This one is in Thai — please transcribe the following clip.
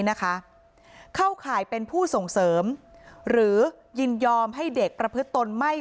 นะคะเข้าข่ายเป็นผู้ส่งเสริมหรือยินยอมให้เด็กประพฤติตนไม่